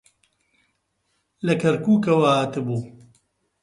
لە کەرکووکەوە هاتبوو.